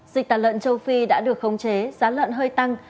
dịch tả lợn châu phi đã được khống chế giá lợn hơi tăng